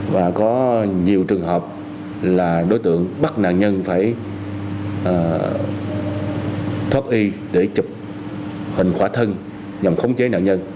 và có nhiều trường hợp là đối tượng bắt nạn nhân phải thoát y để chụp hình khỏa thân nhằm khống chế nạn nhân